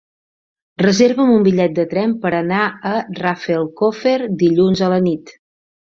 Reserva'm un bitllet de tren per anar a Rafelcofer dilluns a la nit.